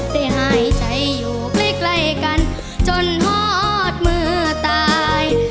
หายใจอยู่ใกล้กันจนฮอดมือตาย